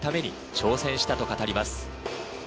挑戦したと語ります。